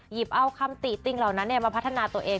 หยิบเอาคำติติงเหล่านั้นมาพัฒนาตัวเอง